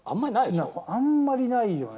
あんまりないよね。